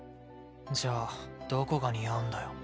じゃあどこが似合うんだよ？